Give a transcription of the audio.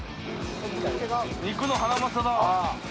肉のハナマサだ。